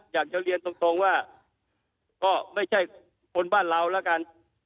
อยากจะเรียนตรงว่าก็ไม่ใช่คนบ้านเราแล้วกัน